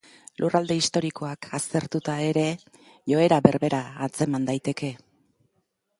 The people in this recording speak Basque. Lurralde historikoak aztertuta ere, joera berbera atzeman daiteke.